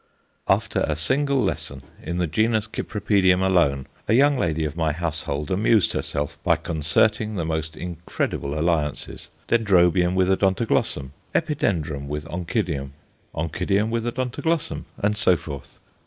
] After a single lesson, in the genus Cypripedium alone, a young lady of my household amused herself by concerting the most incredible alliances Dendrobium with Odontoglossum, Epidendrum with Oncidium, Oncidium with Odontoglossum, and so forth.